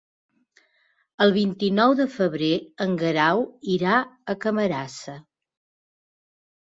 El vint-i-nou de febrer en Guerau irà a Camarasa.